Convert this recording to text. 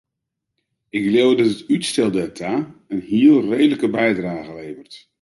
Ik leau dat dit útstel dêrta in heel reedlike bydrage leveret.